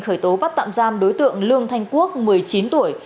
khởi tố bắt tạm giam đối tượng lương thanh quốc một mươi chín tuổi